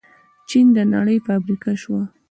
چین د نړۍ فابریکه شوه.